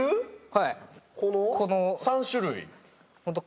はい。